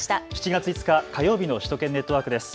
７月５日火曜日の首都圏ネットワークです。